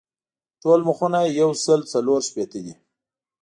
ټول مخونه یې یو سل څلور شپېته دي.